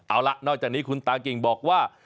เอาล่ะนอกจากนี้คุณตากิ่งบอกว่า